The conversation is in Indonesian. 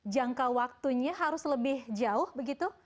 jangka waktunya harus lebih jauh begitu